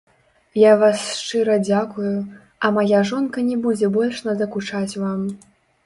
Я вас шчыра дзякую, а мая жонка не будзе больш надакучаць вам.